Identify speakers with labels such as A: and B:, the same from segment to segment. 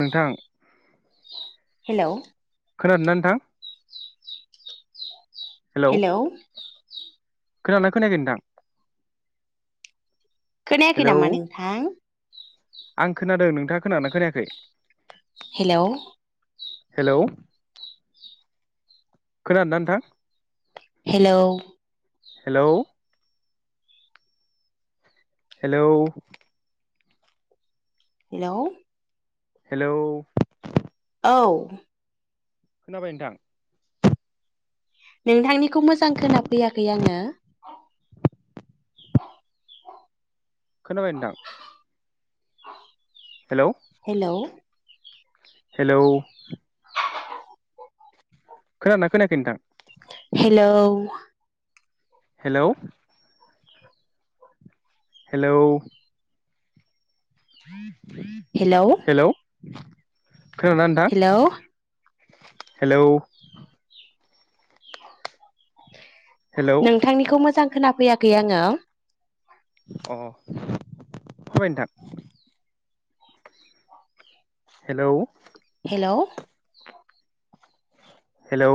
A: नोंथां
B: हेलौ
A: खोनादोना नोंथां
B: हेलौ
A: खोनादों ना खोनायाखै नोंथां
B: खोनायाखै
A: हेलौ
B: नामा नोंथां
A: आं खोनादों नोंथाङा खोनादोंना खोनायाखै
B: हेलौ
A: हेलौ खोनादोना नोंथां
B: hello
A: hello hello
B: hello
A: hello
B: औ
A: खोनाबाय नोंथां
B: नोंथांनिखौ मोजां खोना फैयाखै आंङो
A: खोनाबाय नोंथां हेलौ
B: हेलौ
A: हेलौ खोनादोना खोनायाखै नोंथां
B: हेलौ
A: हेलौ हेलौ [inaudible]
B: हेलौ
A: [inaudible] खोनादोंना
B: हेलौ
A: नोंथां हेलौ हेलौ
B: नोंथांनिखौ मोजां खोना फैयाखै आङो
A: अ खोनाबाइ नोंथां। हेलौ
B: हेलौ
A: हेलौ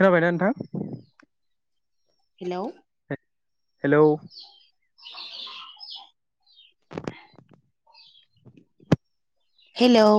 A: खोनाबायना नोंथां?
B: Hello
A: hello
B: [unintelligible] hello